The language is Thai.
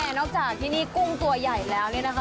นอกจากที่นี่กุ้งตัวใหญ่แล้วเนี่ยนะคะ